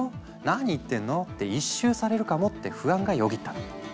何言ってんの？」って一蹴されるかもって不安がよぎったの。